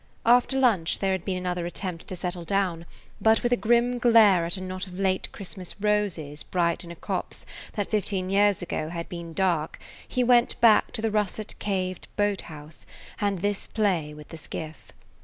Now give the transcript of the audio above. After lunch there had been another attempt to settle down, but with a grim glare at a knot of late Christmas roses bright in a copse that fifteen years ago had been dark he went back to the russet caved boat house and this play with the skiff.